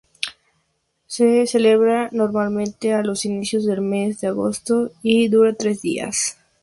W:O:A se celebra normalmente a inicios del mes de agosto y dura tres días.